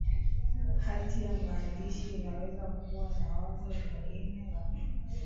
hati ya mandishi inaweza kuwa na wazo lingine la kufanya